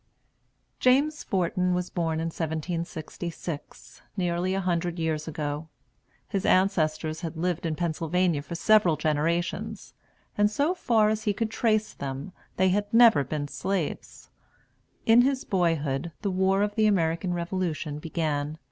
James Forten was born in 1766, nearly a hundred years ago. His ancestors had lived in Pennsylvania for several generations, and, so far as he could trace them, they had never been slaves. In his boyhood the war of the American Revolution began.